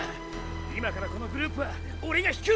今からこのグループはオレが引く！